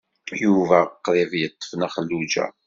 Yuba qrib yeṭṭef Nna Xelluǧa.